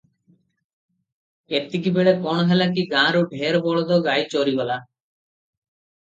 ଏତିକିବେଳେ କଣ ହେଲା କି ଗାଁରୁ ଢେର ବଳଦ ଗାଈ ଚୋରି ଗଲା ।